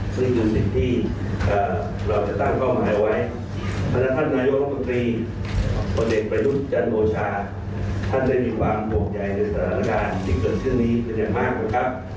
ซึ่งคือสิ่งที่เราจะตั้งเข้าหมายไว้พนักธรรมนายกรรมกรีคนเด็กประยุทธ์จันทร์โบชาท่านได้มีความโปรดใหญ่ในสถานการณ์ที่เกิดชื่อนี้เป็นอย่างมากกว่าครับ